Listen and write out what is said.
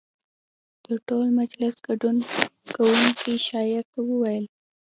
د ټول مجلس ګډون کوونکو شاعر ته وویل.